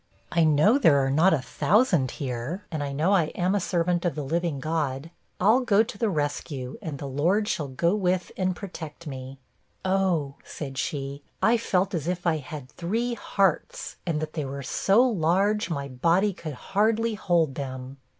I know there are not a thousand here; and I know I am a servant of the living God. I'll go to the rescue, and the Lord shall go with and protect me. 'Oh,' said she, 'I felt as if I had three hearts! and that they were so large, my body could hardly hold them!'